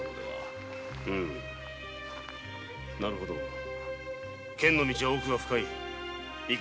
なるほど剣の道は奥が深い。